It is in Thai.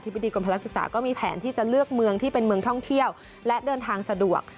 บดีกรมพลักษึกษาก็มีแผนที่จะเลือกเมืองที่เป็นเมืองท่องเที่ยวและเดินทางสะดวก